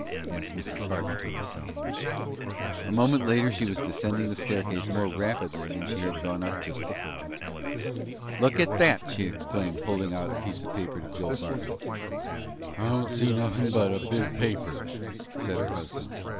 said Mrs. Barton to herself. A moment later she was descending the staircase more rapidly than she had gone up just before. "Look at that," she exclaimed, holding out a scrap of paper to Joel Barton. "I don't see nothin' but a bit of paper," said her husband.